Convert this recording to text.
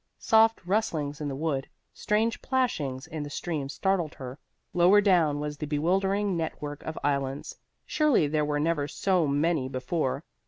Soft rustlings in the wood, strange plashings in the stream startled her. Lower down was the bewildering net work of islands. Surely there were never so many before.